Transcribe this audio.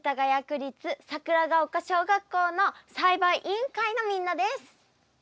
区立桜丘小学校の栽培委員会のみんなです。